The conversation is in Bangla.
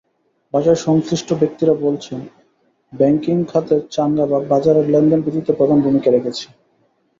বাজারসংশ্লিষ্ট ব্যক্তিরা বলছেন, ব্যাংকিং খাতের চাঙা ভাব বাজারের লেনদেন বৃদ্ধিতে প্রধান ভূমিকা রেখেছে।